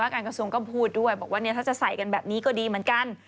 การกระทรวงก็พูดด้วยบอกว่าถ้าจะใส่กันแบบนี้ก็ดีเหมือนกัน